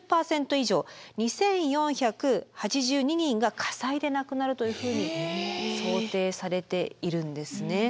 以上２，４８２人が火災で亡くなるというふうに想定されているんですね。